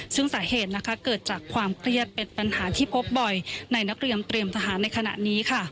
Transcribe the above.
ซึ่งสาเหตุเกิดจากความเครียดเป็นปัญหาที่พบบ่อยในนักเรียนเตรียมทหารในขณะนี้